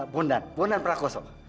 bondan bondan prakoso